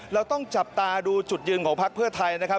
เราต้องจับตาดูจุดยืนของพักเพื่อไทยนะครับ